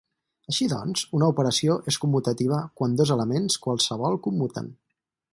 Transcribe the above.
Així doncs, una operació és commutativa quan dos elements qualssevol commuten.